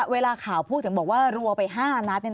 เวลาข่าวพูดถึงบอกว่ารัวไป๕นัด